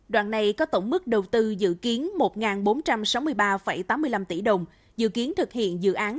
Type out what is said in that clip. đoạn này có tổng mức đầu tư dự kiến một bốn trăm sáu mươi ba tám mươi năm tỷ đồng dự kiến thực hiện dự án